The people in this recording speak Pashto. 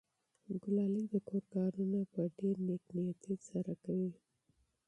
ګلالۍ د کور کارونه په ډېرې نېکمرغۍ سره کوي.